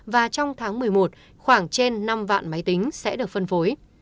và trong tháng một mươi một khoảng trên năm vạn máy tính sẽ được phân phối